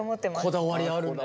こだわりあるんだ。